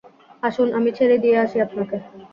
আসুন, আমি ছেড়ে দিয়ে আসি আপনাকে।